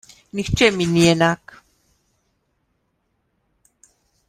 Nihče mi ni enak.